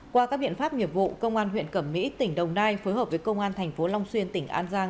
qua các biện pháp nghiệp vụ công an huyện cẩm mỹ tỉnh đồng nai phối hợp với công an thành phố long xuyên tỉnh an giang